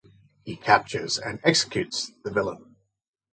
He captures and executes the villain.